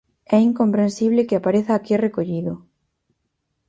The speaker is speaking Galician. É incomprensible que apareza aquí recollido.